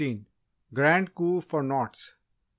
Grand Coup for knots 16.